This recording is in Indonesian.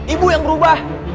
ibu yang berubah